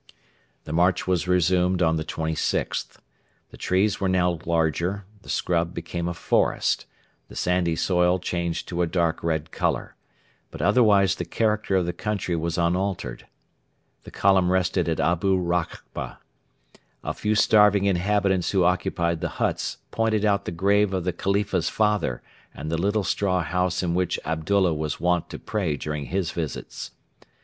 The march was resumed on the 26th. The trees were now larger; the scrub became a forest; the sandy soil changed to a dark red colour; but otherwise the character of the country was unaltered. The column rested at Abu Rokba. A few starving inhabitants who occupied the huts pointed out the grave of the Khalifa's father and the little straw house in which Abdullah was wont to pray during his visits.